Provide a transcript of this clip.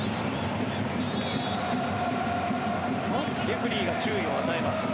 レフェリーが注意を与えます。